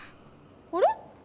あれ？